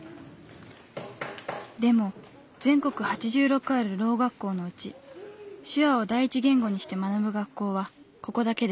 でも全国８６あるろう学校のうち手話を第一言語にして学ぶ学校はここだけです。